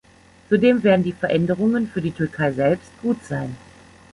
Zudem werden die Veränderungen für die Türkei selbst gut sein.